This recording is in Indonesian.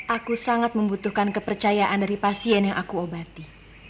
aku sangat membutuhkan kepercayaan dari pasien yang aku obati